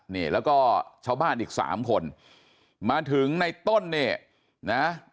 นี่แล้วก็ชาวบ้านอีกสามคนมาถึงในต้นเนี่ยนะ